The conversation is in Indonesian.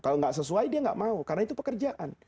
kalau tidak sesuai dia tidak mau karena itu pekerjaan